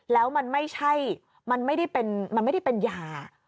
แล้วมันไม่ใช่มันไม่ได้เป็นยา